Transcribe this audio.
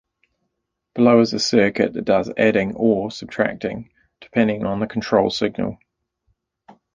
Below is a circuit that does adding "or" subtracting" depending on a control signal.